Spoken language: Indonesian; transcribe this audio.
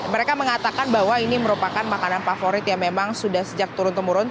mereka mengatakan bahwa ini merupakan makanan favorit yang memang sudah sejak turun temurun